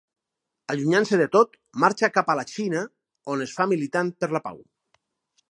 Allunyant-se de tot, marxa cap a la Xina on es fa militant per la pau.